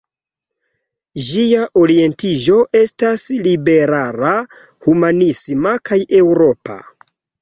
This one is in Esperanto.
Ĝia orientiĝo estas liberala, humanisma kaj eŭropa.